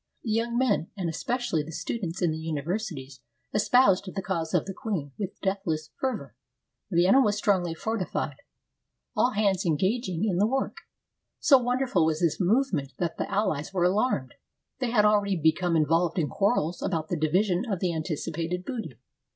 The young men, and especially the students in the uni versities, espoused the cause of the queen with deathless fervor. Vienna was strongly fortified, all hands engag 325 AUSTRIA HUNGARY ing in the work. So wonderful was this movement that the alHes were alarmed. They had already become in volved in quarrels about the division of the anticipated booty.